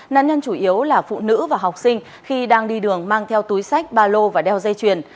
nạn nhân chủ yếu là phụ nữ và học sinh khi đang đi đường mang theo túi sách ba lô và đeo dây chuyền